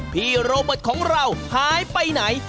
พี่โรเบิร์ตของเราหายไปไหน